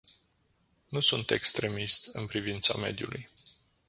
Nu sunt extremist în privința mediului.